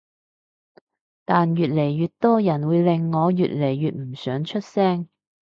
但越嚟越多人會令我越嚟越唔想出聲